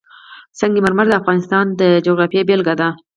سنگ مرمر د افغانستان د جغرافیې بېلګه ده.